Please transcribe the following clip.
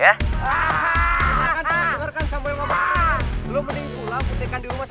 dengarkan dengarkan sama yang ngomongnya